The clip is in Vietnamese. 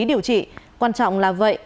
điều trị quan trọng là vậy